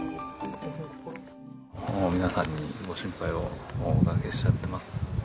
皆さんにご心配をおかけしちゃってます。